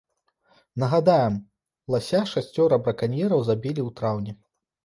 Нагадаем, лася шасцёра браканьераў забілі ў траўні.